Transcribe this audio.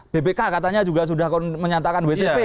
bpk katanya juga sudah menyatakan wtp